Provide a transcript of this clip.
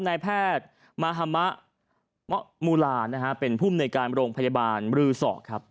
นายแพทย์มหมมุลาเป็นผู้ในการโรงพยาบาลบรือศอก